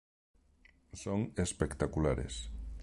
Son espectaculares.